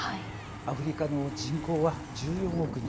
アフリカの人口は１４億人。